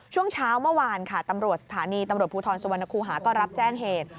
ช่วงเช้าเมื่อวานค่ะตำรวจสถานีตำรวจภูทรสุวรรณคูหาก็รับแจ้งเหตุ